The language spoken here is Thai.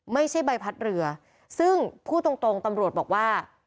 ไม่ใช่ใบพัดเรือซึ่งพูดตรงตรงตำรวจบอกว่า